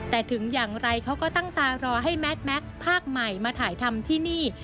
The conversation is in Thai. แต่ถึงอย่างไรเขาก็ตั้งตารอให้แมทแม็กซ์ภาคใหม่มาถ่ายทำที่นี่